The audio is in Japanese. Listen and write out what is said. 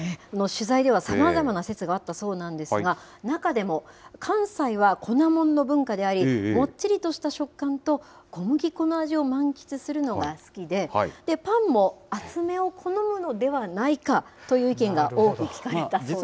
取材では、さまざまな説があったそうなんですが、中でも関西は粉モンの文化であり、もっちりとした食感と、小麦粉の味を満喫するのが好きで、パンも厚めを好むのではないか、という意見が多く聞かれたそうです。